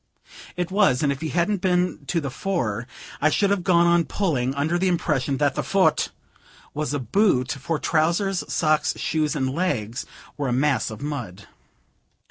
It was; and if he hadn't been to the fore, I should have gone on pulling, under the impression that the "fut" was a boot, for trousers, socks, shoes and legs were a mass of mud.